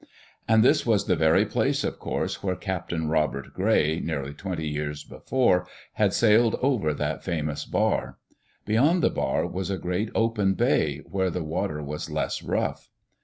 And this was the very place, of course, where Captain Robert Gray, nearly twenty years before, had sailed over that famous bar. Beyond the bar was a great open "bay," where the water was less rough.